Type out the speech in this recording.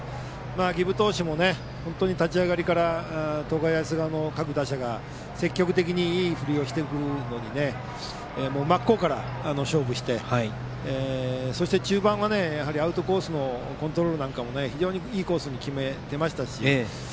儀部投手も本当に立ち上がりから東海大菅生の各打者が積極的にいい振りをしてくるのに真っ向から勝負してそして中盤はアウトコースのコントロールも非常にいいコースに決めていましたし